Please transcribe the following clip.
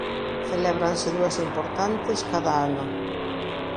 Celébranse dúas importantes cada ano.